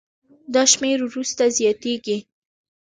دا شمېر وروسته زیاتېږي.